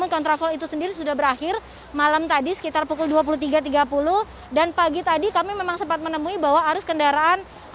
kontraflow itu sendiri sudah berakhir malam tadi sekitar pukul dua puluh tiga tiga puluh dan pagi tadi kami memang sempat menemui bahwa arus kendaraan